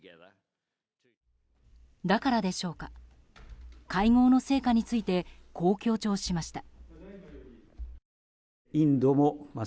だからでしょうか会合の成果についてこう強調しました。